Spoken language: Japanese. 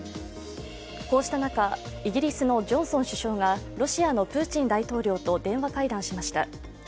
こうした中、イギリスのジョンソン首相がロシアのプーチン大統領と電話会談しました。